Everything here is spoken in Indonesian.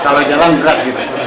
kalau jalan berat juga